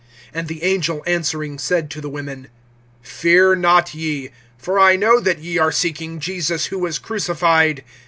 (5)And the angel answering said to the women: Fear not ye; for I know that ye are seeking Jesus, who was crucified.